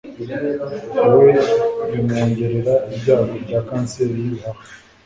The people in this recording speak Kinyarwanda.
we bimwongerera ibyago bya kanseri yibihaha